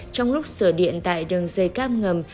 trong lúc sửa điện tại đường dây cáp ngầm